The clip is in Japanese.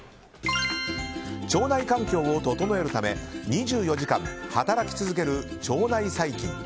腸内環境を整えるため２４時間働き続ける腸内細菌。